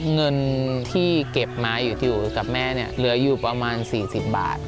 เงินที่เก็บมาอยู่กับแม่เนี่ยเหลืออยู่ประมาณ๔๐บาท